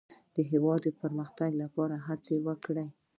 د هېواد د پرمختګ لپاره هڅې وکړئ.